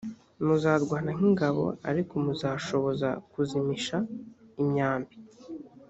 muzarwana nk’ingabo ariko muzashoboza kuzimisha imyambi